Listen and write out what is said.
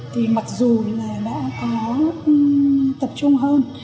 thì mặc dù là đã có tập trung học